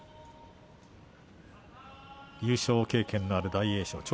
優勝経験のある大栄翔。